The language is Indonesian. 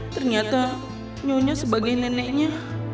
ternyata nyonya sebagai neneknya